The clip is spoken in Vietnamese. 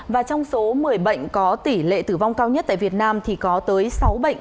và trong số một mươi bệnh có tỷ lệ tử vong cao nhất tại việt nam thì có tới sáu bệnh